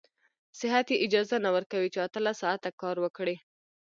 صحت يې اجازه نه ورکوي چې اتلس ساعته کار وکړي.